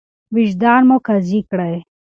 وجدان مو قاضي کړئ.